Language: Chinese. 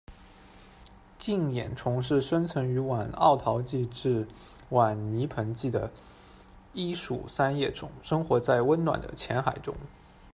镜眼虫是生存于晚奥陶纪至晚泥盆纪的一属三叶虫，生活在温暖的浅海中。